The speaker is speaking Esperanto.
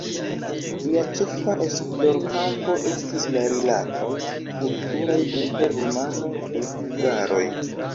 Lia ĉefa esplorkampo estis la rilatoj kulturaj inter rumanoj kaj hungaroj.